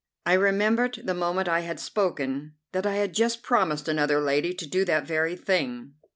I remembered the moment I had spoken that I had just promised another lady to do that very thing.